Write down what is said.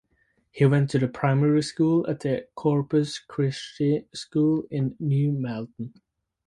He went to primary school at the Corpus Christi School in New Malden.